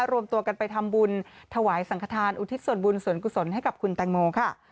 รวมตัวกันไปทำบุญถวายสังขทานอุทิศส่วนบุญส่วนกุศลให้กับคุณแตงโมค่ะ